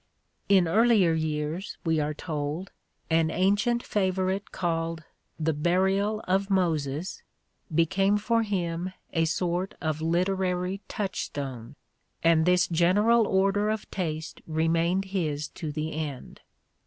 In earlier years, we are told, an ancient favorite called "The Burial of Moses" became for him "a sort of literary touchstone," and this general order of taste remained his to the end.